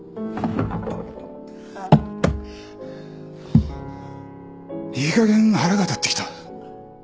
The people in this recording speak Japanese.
あぁハァいいかげん腹が立ってきた。